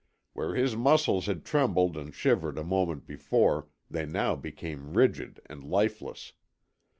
Where his muscles had trembled and shivered a moment before they now became rigid and lifeless.